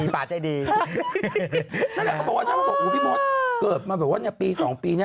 พี่หมดเกิดมาปี๒ปีนี้